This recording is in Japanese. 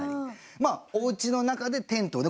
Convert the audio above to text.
まあおうちの中でテントをね